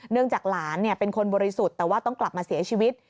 จากหลานเป็นคนบริสุทธิ์แต่ว่าต้องกลับมาเสียชีวิต